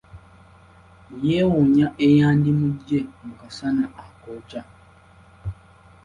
Yeewuunya eyandimugye mu kasana akookya.